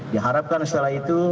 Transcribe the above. diharapkan setelah itu